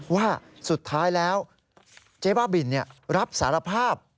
ว่าสุดท้ายแล้วเจ๊บ้าบินรับสารภาพ